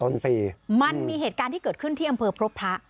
สองกุมภาพันธ์ต้นปีมันมีเหตุการณ์ที่เกิดขึ้นที่อำเภอพรพระ